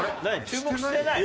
注目してないの？